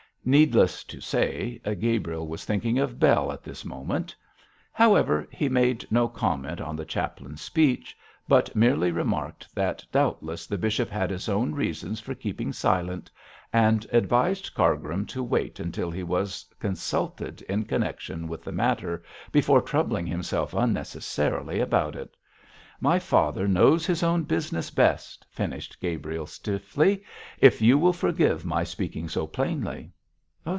Needless to say, Gabriel was thinking of Bell at this moment. However, he made no comment on the chaplain's speech, but merely remarked that doubtless the bishop had his own reasons for keeping silent, and advised Cargrim to wait until he was consulted in connection with the matter, before troubling himself unnecessarily about it 'My father knows his own business best,' finished Gabriel, stiffly, 'if you will forgive my speaking so plainly.'